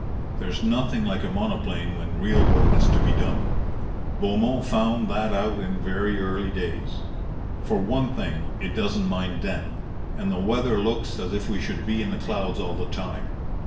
There's nothing like a monoplane when real work is to be done. Beaumont found that out in very early days. For one thing, it doesn't mind damp, and the weather looks as if we should be in the clouds all the time.